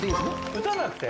打たなくて？